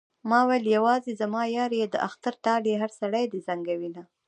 ما ويل يوازې زما يار يې د اختر ټال يې هر سړی دې زنګوينه